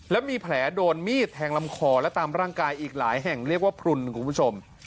แล้วมีแผลโดนมีดแทงลำคอและตามร่างกายอีกหลายแห่งเรียกว่าพลุนคุณผู้ชม